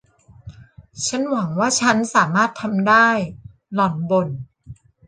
ฉันหวังว่าฉันสามารถทำได้ หล่อนบ่น